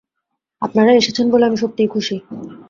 আপনারা এসেছেন বলে আমি সত্যিই খুশি।